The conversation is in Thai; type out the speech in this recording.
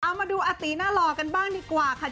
เอามาดูอาตีหน้าหล่อกันบ้างดีกว่าค่ะ